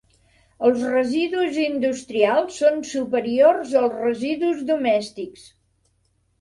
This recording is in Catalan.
Els residus industrials són superiors als residus domèstics.